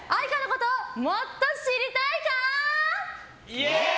イエーイ！